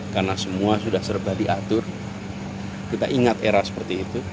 karena semua sudah serba diatur kita ingat era seperti itu